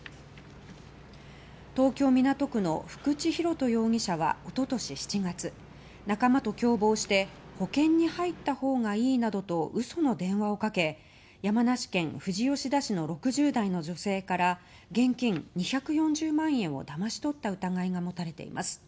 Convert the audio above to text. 東京・港区の福地紘人容疑者は一昨年７月仲間と共謀して保険に入ったほうがいいなどと嘘の電話をかけ山梨県富士吉田市の６０代の女性から現金２４０万円をだまし取った疑いが持たれています。